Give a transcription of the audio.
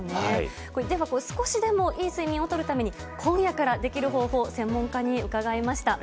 少しでもいい睡眠をとるために今夜からできる方法を専門家に伺いました。